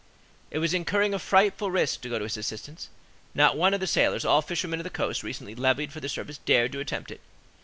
It was incurring a frightful risk to go to his assistance; not one of the sailors, all fishermen of the coast, recently levied for the service, dared to attempt it.